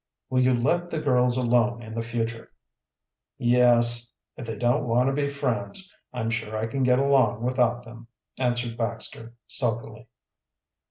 "Will you let the girls alone in the future?" "Yes. If they don't want to be friends, I'm sure I can get along without them," answered Baxter sulkily.